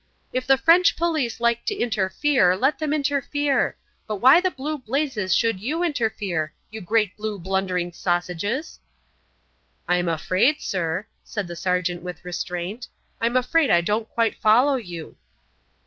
"If the French police like to interfere, let them interfere. But why the blue blazes should you interfere, you great blue blundering sausages?" "I'm afraid, sir," said the sergeant with restraint, "I'm afraid I don't quite follow you."